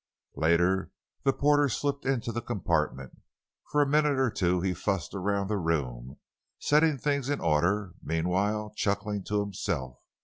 Later the porter slipped into the compartment. For a minute or two he fussed around the room, setting things to order, meanwhile chuckling to himself.